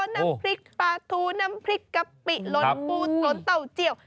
น้ำพริกปลาทูน้ำพริกกะปิล้นปูตลนเต้าเจียว